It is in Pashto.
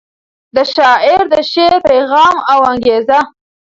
د شاعر د شعر پیغام او انګیزه